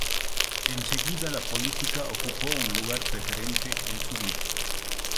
Enseguida la política ocupó un lugar preferente en su vida.